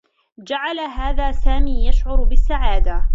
جعل هذا سامي يشعر بالسّعادة.